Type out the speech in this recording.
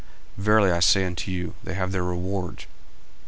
Verily I say unto you, They have their reward.